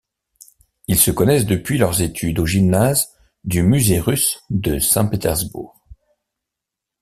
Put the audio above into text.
Ils se connaissent depuis leurs études, au Gymnase du Musée Russe de Saint-Pétersbourg.